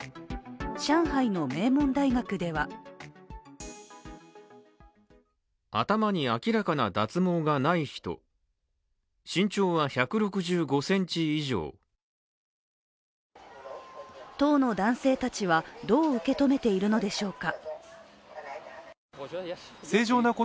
上海の名門大学では当の男性たちは、どう受け止めているのでしょうか。